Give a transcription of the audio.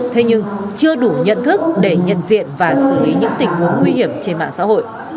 thế nhưng chưa đủ nhận thức để nhận diện và xử lý những tình huống nguy hiểm trên mạng xã hội